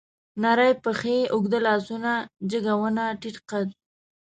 نرۍ پښې، اوږده لاسونه، جګه ونه، ټيټ قد